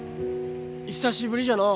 久しぶりじゃのう。